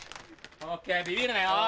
ＯＫビビるなよ